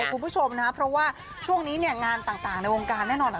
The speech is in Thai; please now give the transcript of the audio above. คุณผู้ชมนะเพราะว่าช่วงนี้เนี่ยงานต่างในวงการแน่นอนอ่ะ